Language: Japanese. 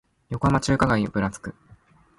横浜中華街をぶらつく